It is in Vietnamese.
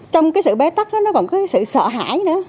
trong cái sự bế tắc nó còn có cái sự sợ hãi nữa